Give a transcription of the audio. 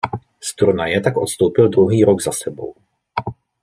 Z turnaje tak odstoupil druhý rok za sebou.